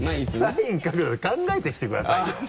サイン書くなら考えてきてくださいよ！